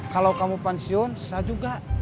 kalau kamu pensiun sah juga